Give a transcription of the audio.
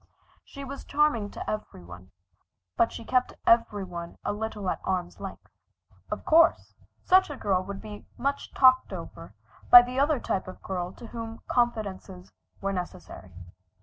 She was charming to every one, but she kept every one a little at arm's length. Of course such a girl would be much talked over by the other type of girl to whom confidences were necessary.